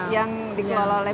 yang dikeluarga oleh